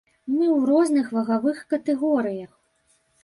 Мы ў розных вагавых катэгорыях.